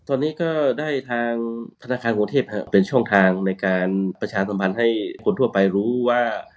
ตอนนี้ก็ได้ทางธนาคารกรุงเทพเป็นช่องทางในการประชาสัมพันธ์ให้คนทั่วไปรู้ว่า